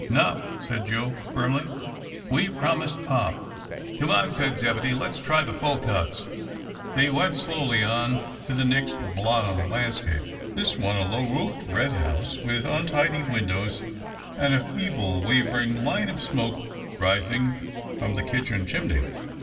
"Nop," said Joe, firmly, "we promised pop." "Come on," said Zebedee, "let's try the Folcutts." They went slowly on to the next blot on the landscape, this one, a low roofed, red house with untidy windows, and a feeble, wavering line of smoke rising from the kitchen chimney.